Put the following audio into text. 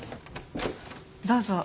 どうぞ。